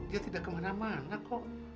dia tidak kemana mana kok